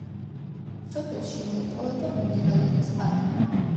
სოფელში მოიპოვება მინერალური წყალი.